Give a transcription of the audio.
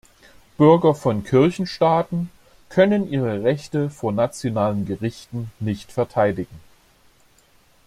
Bürger von Kirchenstaaten können ihre Rechte vor nationalen Gerichten nicht verteidigen.